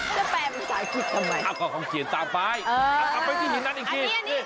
จะแปลงภาษาอังกฤษทำไมเอาก็ของหินต่างไปเอาไปที่หินนั้นอีกที